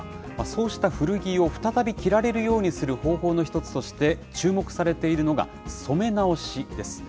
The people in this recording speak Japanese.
そうした古着を再び着られるようにする方法の１つとして、注目されているのが、染め直しです。